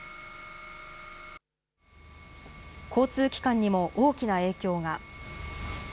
交通機関にも大きな影響が。